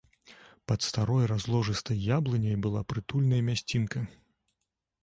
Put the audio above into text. Пад старой разложыстай яблыняй была прытульная мясцінка.